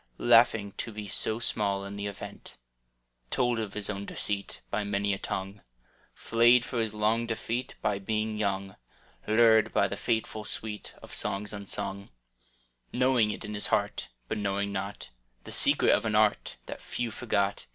Laughing to be so small Li the event. (107 J Told of his own deceit By many a tongue, Flayed for his long defeat By being young, Lured by the fateful sweet Of songs unsung — Knowing it in his heart, But knowing not The secret of an art That few forgot.